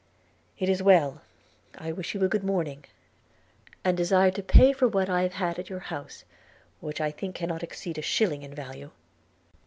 – It is well – I wish you a good morning, and desire to pay for what I have had at your house, which I think cannot exceed a shilling in value.'